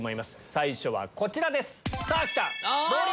最初はこちらです。